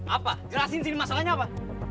apa jelasin sini masalahnya apa